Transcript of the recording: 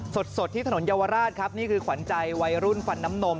สดที่ถนนเยาวราชครับนี่คือขวัญใจวัยรุ่นฟันน้ำนม